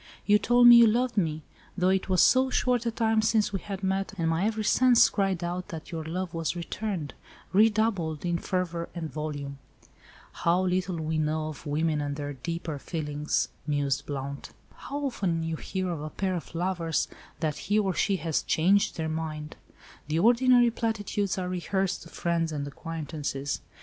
You told me you loved me—though it was so short a time since we had met, and my every sense cried out that your love was returned—redoubled in fervour and volume." "How little we know of women and their deeper feelings," mused Blount. "How often you hear of a pair of lovers, that he or she has 'changed their mind.' The ordinary platitudes are rehearsed to friends and acquaintances.